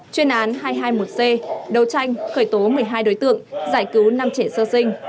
chuyên án hai trăm hai mươi một c đấu tranh khởi tố một mươi hai đối tượng giải cứu năm trẻ sơ sinh